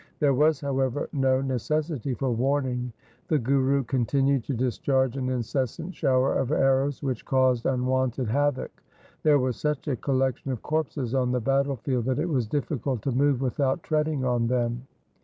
There was, however, no necessity for warning. The Guru continued to dis charge an incessant shower of arrows which caused unwonted havoc. There was such a collection of corpses on the battle field that it was difficult to move without treading on them.